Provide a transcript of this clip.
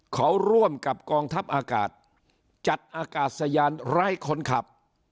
เขาร่วมกับกองทัพอากาศจัดอากาศยานไร้คนขับ